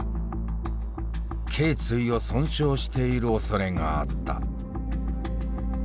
頸椎を損傷しているおそれがあった。